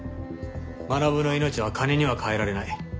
学の命は金には代えられない。